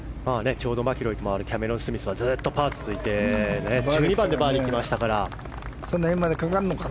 ちょうどマキロイとキャメロン・スミスはずっとパーが続いて１２番でバーディーがきましたから。